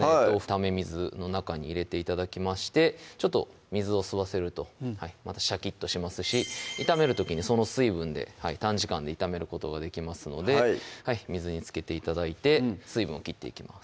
ため水の中に入れて頂きましてちょっと水を吸わせるとまたシャキッとしますし炒める時にその水分で短時間で炒めることができますので水につけて頂いて水分を切っていきます